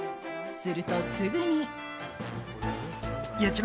すると、すぐに。